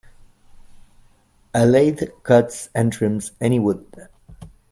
A lathe cuts and trims any wood.